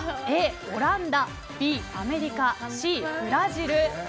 Ａ、オランダＢ、アメリカＣ、ブラジル。